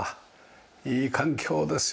いい環境ですよね。